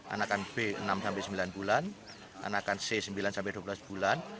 anakan b enam sembilan bulan anakan c sembilan sampai dua belas bulan